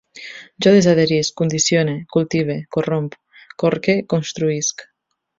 Jo desadherisc, condicione, cultive, corromp, corque, construïsc